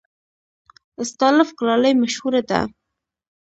استالف کلالي مشهوره ده؟